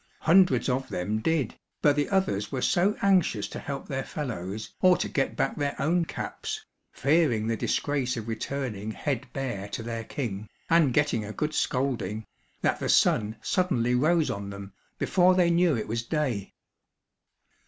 Hundreds of them did, but the others were so anxious to help their fellows, or to get back their own caps, fearing the disgrace of returning head bare to their king, and getting a good scolding, that the sun suddenly rose on them, before they knew it was day.